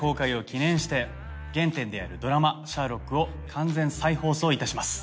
原点であるドラマ『シャーロック』を完全再放送いたします。